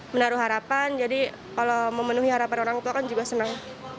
menaruh harapan jadi kalau memenuhi harapan orang tua kan juga senang